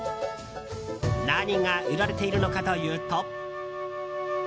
何が売られているのかというと。